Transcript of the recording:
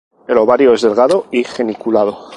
El ovario es delgado y geniculado.